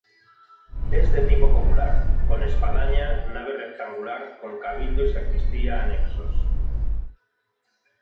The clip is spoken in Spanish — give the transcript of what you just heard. Es de tipo popular, con espadaña, nave rectangular, con cabildo y sacristía anexos.